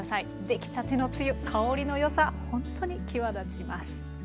できたてのつゆ香りの良さほんとに際立ちます。